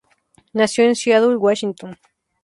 Nació en Seattle, Washington.